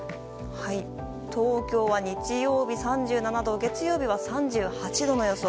東京は日曜日３７度月曜日は３８度の予想。